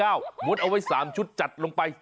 อันนี้เขาไว้สามชุดจัดลงไป